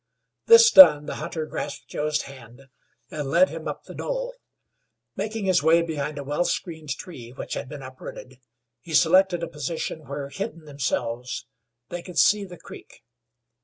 This done, the hunter grasped Joe's hand and led him up the knoll. Making his way behind a well screened tree, which had been uprooted, he selected a position where, hidden themselves, they could see the creek.